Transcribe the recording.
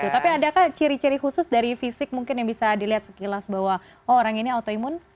tapi adakah ciri ciri khusus dari fisik mungkin yang bisa dilihat sekilas bahwa oh orang ini autoimun